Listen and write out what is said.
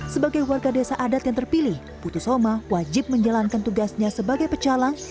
sebagai warga desa adat yang terpilih putusoma wajib menjalankan tugasnya sebagai pecalang